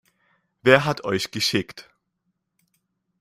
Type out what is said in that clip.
Wer hat euch geschickt?